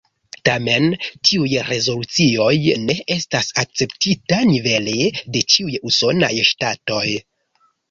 Tamen tiuj rezolucioj ne estas akceptita nivele de ĉiuj usonaj ŝtatoj.